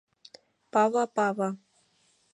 Пава-пава.